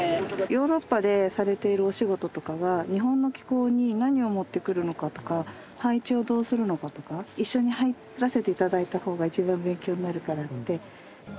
ヨーロッパでされているお仕事とかが日本の気候に何を持ってくるのかとか配置をどうするのかとか一緒に入らせて頂いた方が一番勉強になるからって。